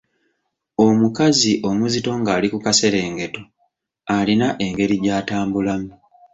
Omukazi omuzito ng’ali ku kaserengeto alina engeri gy’atambulamu.